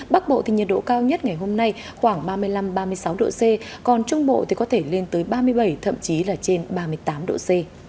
bắc bộ thì nhiệt độ cao nhất ngày hôm nay khoảng ba mươi năm ba mươi sáu độ c còn trung bộ thì có thể lên tới ba mươi bảy thậm chí là trên ba mươi tám độ c